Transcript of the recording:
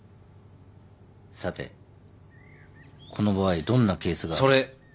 さてこの場合どんなケースが。それ！